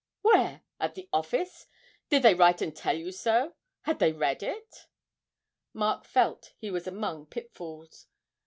'Where? at the office? Did they write and tell you so? had they read it?' Mark felt he was among pitfalls.